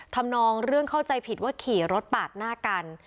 นองเรื่องเข้าใจผิดว่าขี่รถปาดหน้ากัน